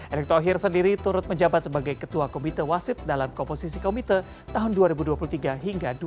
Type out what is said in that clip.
erick thohir sendiri turut menjabat sebagai ketua komite wasit dalam komposisi komite tahun dua ribu dua puluh tiga hingga dua ribu dua puluh